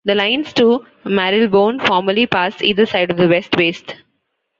The lines to Marylebone formerly passed either side of West Waste.